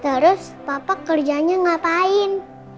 terus papa kerjanya ngapain